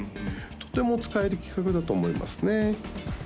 とても使える規格だと思いますね